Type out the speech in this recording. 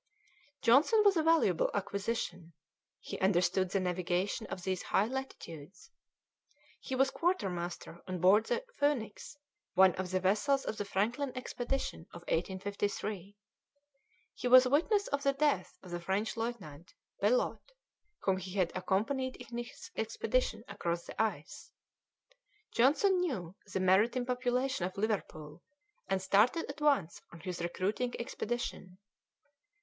Johnson was a valuable acquisition; he understood the navigation of these high latitudes. He was quartermaster on board the Phoenix, one of the vessels of the Franklin expedition of 1853. He was witness of the death of the French lieutenant Bellot, whom he had accompanied in his expedition across the ice. Johnson knew the maritime population of Liverpool, and started at once on his recruiting expedition.